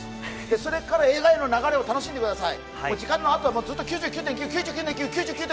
それから映画への流れを楽しんでください。